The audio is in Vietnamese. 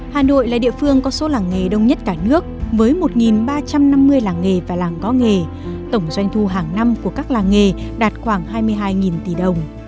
hà nội là địa phương có số làng nghề đông nhất cả nước với một ba trăm năm mươi làng nghề và làng có nghề tổng doanh thu hàng năm của các làng nghề đạt khoảng hai mươi hai tỷ đồng